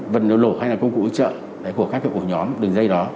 vật liệu nổ hay công cụ hỗ trợ của các ổ nhóm đường dây đó